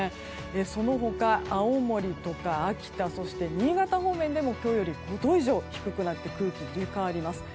その他、青森とか秋田そして新潟方面でも今日より５度以上低くなって空気、入れ替わります。